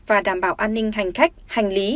và đảm bảo an ninh hành khách hành lý